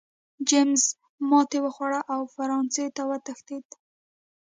جېمز ماتې وخوړه او فرانسې ته وتښتېد.